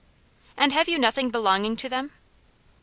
"And have you nothing belonging to them?"